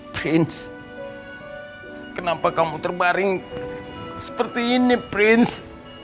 prince kenapa kamu terbaring seperti ini prince